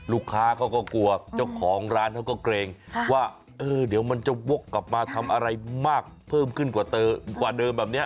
ลูกค้าเขาก็กลัวเจ้าของร้านเขาก็เกรงว่าเออเดี๋ยวมันจะวกกลับมาทำอะไรมากเพิ่มขึ้นกว่าเดิมแบบนี้